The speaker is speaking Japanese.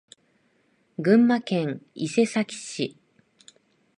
群馬県伊勢崎市